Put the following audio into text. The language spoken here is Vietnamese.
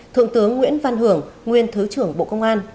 thượng tướng nguyễn văn hưởng nguyên thứ trưởng bộ công an